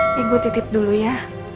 ini gue titip dulu ya